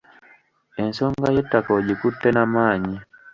Ensonga y'ettaka ogikutte na maanyi.